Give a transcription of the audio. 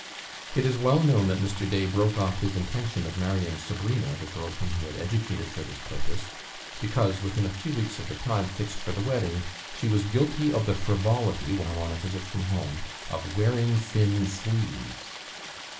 It is well known that Mr. Day broke off his intention of marrying Sabrina, the girl whom he had educated for this purpose, because, within a few weeks of the time fixed for the wedding, she was guilty of the frivolity, while on a visit from home, of wearing thin sleeves.